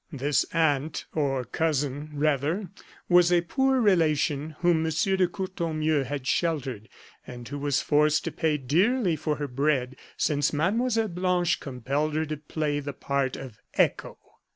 This aunt, or cousin, rather, was a poor relation whom M. de Courtornieu had sheltered, and who was forced to pay dearly for her bread; since Mlle. Blanche compelled her to play the part of echo.